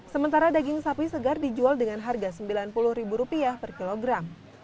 sementara daging sapi segar dijual dengan harga rp sembilan puluh per kilogram